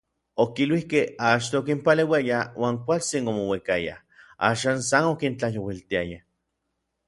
Okiluikej achto okinpaleuiaya uan kualtsin omouikayaj, Axan san okintlajyouiltiaya.